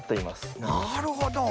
なるほど！